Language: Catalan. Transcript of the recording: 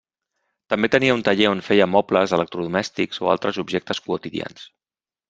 També tenia un taller on feia mobles, electrodomèstics o altres objectes quotidians.